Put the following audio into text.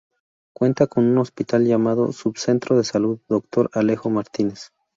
Cuenta con un hospital llamado Sub-Centro de Salud "Dr. Alejo Martínez".